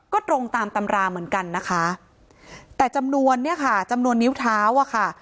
ก็ตรงตามตำราเหมือนกันนะคะแต่จำนวนเนี่ยค่ะจำนวนนิ้วเท้าอ่ะค่ะ